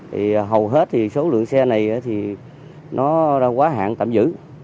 thì hầu hết thì số lượng xe này thì nó đã quá hạn tạm giữ